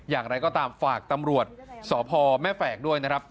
อย่างไรก็ตามฝากตำรวจสพแม่แฝกด้วยนะครับ